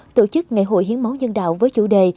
tổ chức ngày hội hiến máu nhân đạo với chủ đề